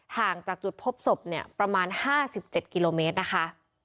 ห่างจากจุดพบศพเนี่ยประมาณ๕๗กิโลเมตรนะคะ